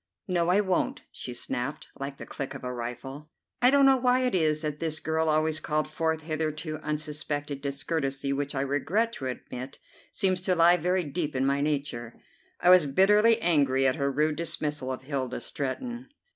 "No, I won't," she snapped, like the click of a rifle. I don't know why it is that this girl always called forth hitherto unsuspected discourtesy which I regret to admit seems to lie very deep in my nature. I was bitterly angry at her rude dismissal of Hilda Stretton.